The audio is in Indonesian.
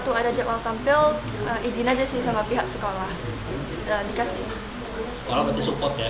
kalau misalnya pas sekolah itu ada jadwal tampil izin aja sih sama pihak sekolah dikasih